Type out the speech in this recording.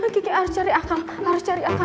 kiki harus cari akal harus cari akal